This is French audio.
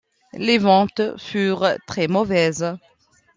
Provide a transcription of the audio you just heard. Les ventes furent très mauvaises.